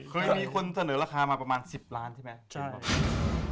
เคยมีคนเสนอราคามาประมาณ๑๐ล้านใช่ไหม